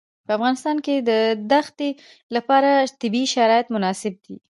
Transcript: په افغانستان کې د ښتې لپاره طبیعي شرایط مناسب دي.